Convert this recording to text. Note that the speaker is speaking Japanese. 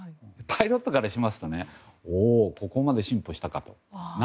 パイロットからしますとおー、ここまで進歩したかと。